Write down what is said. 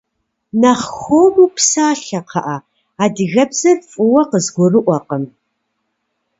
Нэхъ хуэму псалъэ, кхъыӏэ, адыгэбзэр фӏыуэ къызгурыӏуэкъым.